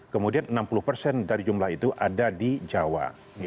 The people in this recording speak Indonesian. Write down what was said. kemudian enam puluh persen dari jumlah itu ada di jawa